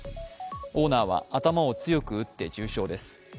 オーナーは頭を強く打って重傷です。